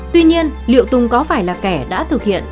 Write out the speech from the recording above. tuy nhiên liệu tùng có phải là kẻ đã thực hiện